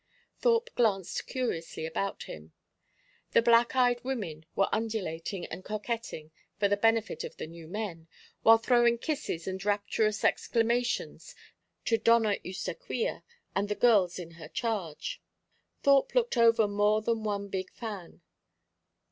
Thorpe glanced curiously about him. The black eyed women were undulating and coquetting for the benefit of the new men, while throwing kisses and rapturous exclamations to Doña Eustaquia and the girls in her charge. Thorpe looked over more than one big fan.